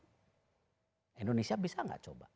indonesia bisa nggak coba